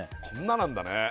こんななんだね